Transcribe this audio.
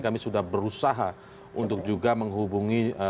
kami sudah berusaha untuk juga menghubungi jenis yang berbeda